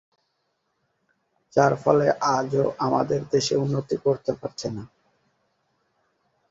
যার ফলে আজও আমাদের দেশ উন্নতি করতে পারছে না।